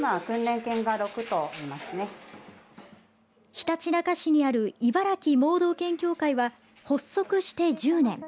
ひたちなか市にあるいばらき盲導犬協会は発足して１０年。